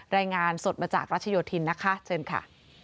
รายงานสดมาจากรัชโยธินนะคะเชิญค่ะ